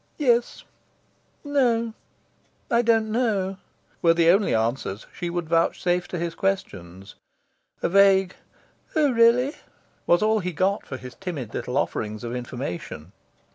"Yes," "No," "I don't know," were the only answers she would vouchsafe to his questions. A vague "Oh really?" was all he got for his timid little offerings of information.